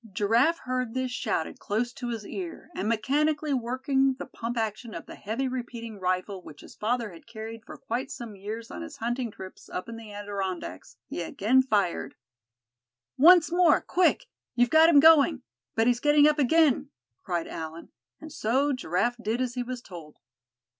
Giraffe heard this shouted close to his ear, and mechanically working the pump action of the heavy repeating rifle which his father had carried for quite some years on his hunting trips up in the Adirondacks, he again fired. "Once more, quick! you've got him going; but he's getting up again!" cried Allan, and so Giraffe did as he was told.